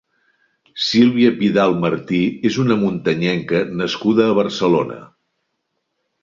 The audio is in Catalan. Sílvia Vidal Martí és una muntanyenca nascuda a Barcelona.